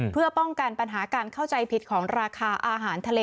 เพื่อป้องกันปัญหาการเข้าใจผิดของราคาอาหารทะเล